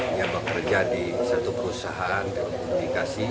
dia bekerja di satu perusahaan telekomunikasi